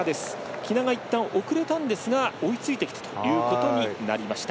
喜納がいったん遅れたんですが追いついてきたということになりました。